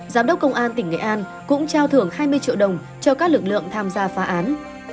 giám đốc công an tỉnh nghệ an cũng trao thưởng hai mươi triệu đồng cho các lực lượng tham gia phá án